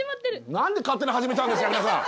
何で勝手に始めちゃうんですか皆さん！